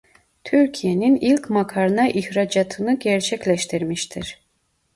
Türkiye'nin ilk makarna ihracatını gerçekleştirmiştir.